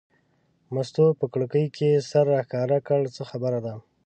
مستو په کړکۍ کې سر راښکاره کړ: څه خبره ده.